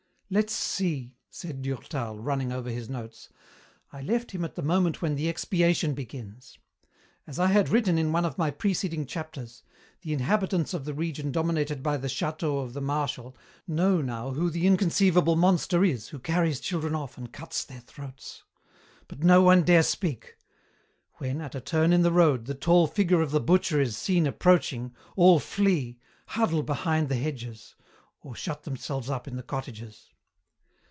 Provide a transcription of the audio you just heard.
"Let's see," said Durtal, running over his notes. "I left him at the moment when the expiation begins. As I had written in one of my preceding chapters, the inhabitants of the region dominated by the châteaux of the Marshal know now who the inconceivable monster is who carries children off and cuts their throats. But no one dare speak. When, at a turn in the road, the tall figure of the butcher is seen approaching, all flee, huddle behind the hedges, or shut themselves up in the cottages.